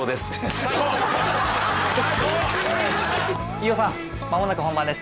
飯尾さんまもなく本番です